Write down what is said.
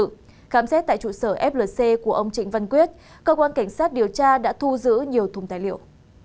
khám xét tại trụ sở flc của ông trịnh văn quyết cơ quan cảnh sát điều tra đã thu giữ nhiều thùng tài liệu